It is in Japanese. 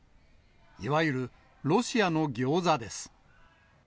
いわゆる、ロシアのギョーザです。